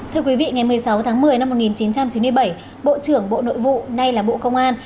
thưa quý vị ngày một mươi sáu tháng một mươi năm một nghìn chín trăm chín mươi bảy bộ trưởng bộ nội vụ nay là bộ công an